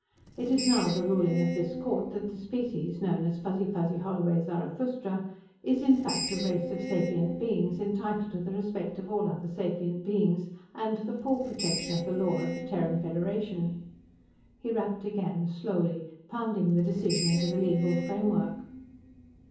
"It is now the ruling of this court that the species known as Fuzzy fuzzy holloway zarathustra is in fact a race of sapient beings, entitled to the respect of all other sapient beings and to the full protection of the law of the Terran Federation." He rapped again, slowly, pounding the decision into the legal framework.